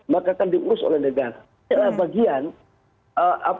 maka akan diurus oleh negara